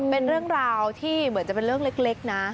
เป็นเรื่องราวที่เหมือนจะเป็นเรื่องเล็กนะ